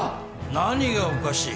何がおかしい？